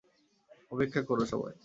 অপেক্ষা করো, সবাই!